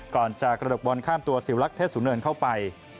ก่อนจะกระดกบอลข้ามตัวสิวลักษุเนินเข้าไป